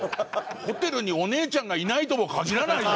ホテルにお姉ちゃんがいないとも限らないじゃん。